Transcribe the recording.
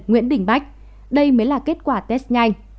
nguyễn đình bách đây mới là kết quả test nhanh